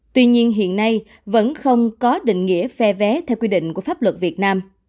tuy nhiên hiện nay vẫn không có định nghĩa phe vé theo quy định của pháp luật việt nam